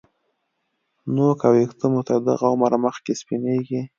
نو که ویښته مو تر دغه عمره مخکې سپینېږي